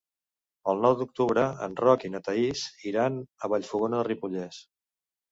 El nou d'octubre en Roc i na Thaís iran a Vallfogona de Ripollès.